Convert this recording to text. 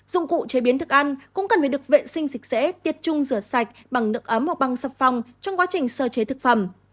dụng cụ chế biến thức ăn cũng cần phải được vệ sinh sạch sẽ tiết chung rửa sạch bằng nước ấm hoặc băng sạp phòng trong quá trình sơ chế thực phẩm